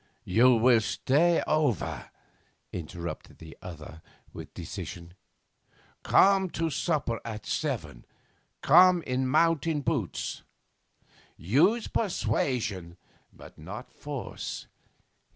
'You will stay over,' interrupted the other with decision. 'Come to supper at seven. Come in mountain boots. Use persuasion, but not force.